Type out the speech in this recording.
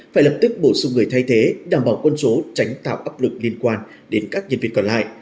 phải lập tức bổ sung người thay thế đảm bảo quân số tránh tạo áp lực liên quan đến các nhân viên còn lại